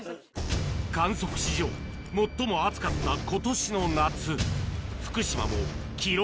観測史上最も暑かったことしの夏。